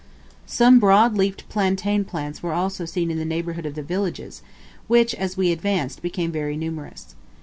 Some broad leafed plantain plants were also seen in the neighbourhood of the villages, which as we advanced became very numerous.